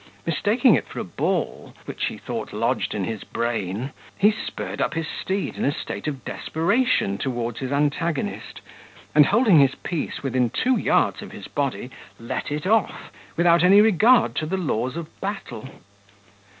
Mistaking it for a ball, which he thought lodged in his brain, spurred up his steed in a state of desperation towards his antagonist, and holding his piece within two yards of his body, let it off, without any regard to the laws of battle.